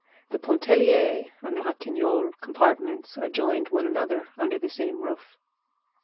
The Pontellier and Ratignolle compartments adjoined one another under the same roof.